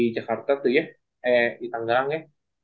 jakarta tuh ya eh di tanggang ya